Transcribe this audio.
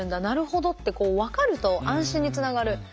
なるほどってこう分かると安心につながる。